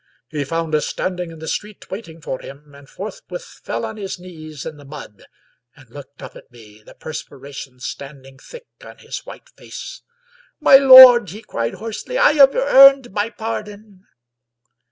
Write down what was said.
He found us standing in the street waiting for him and forthwith fell on his knees in the mud and looked up at me, the perspiration standing thick on his white face. " My lord," he cried hoarsely, " I have earned my pardon